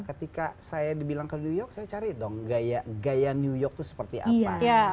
ketika saya dibilang ke new york saya cari dong gaya new york itu seperti apa